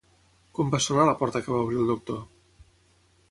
Com va sonar la porta que va obrir el doctor?